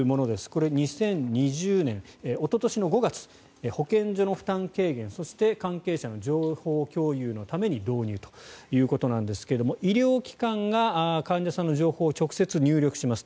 これ、２０２０年、おととし５月保健所の負担軽減そして関係者の情報共有のために導入ということなんですが医療機関が患者さんの情報を直接入力します